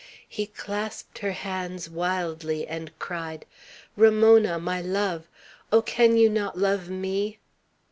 he clasped her hands wildly, and cried, "Ramona, my love! Oh, can you not love me?"